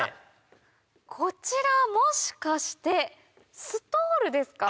こちらもしかしてストールですか？